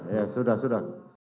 ya ya sudah sudah